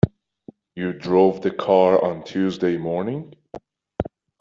You drove the car on Tuesday morning?